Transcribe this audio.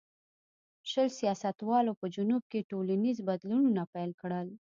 شل سیاستوالو په جنوب کې ټولنیز بدلونونه پیل کړل.